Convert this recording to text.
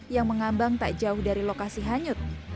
yang mengambang tak jauh dari lokasi hanyut